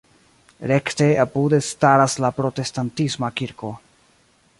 Rekte apude staras la protestantisma kirko.